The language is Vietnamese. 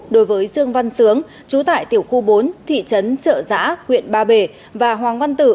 đối với dương văn sướng trú tại tiểu khu bốn thị trấn trợ giã huyện ba bể và hoàng văn tử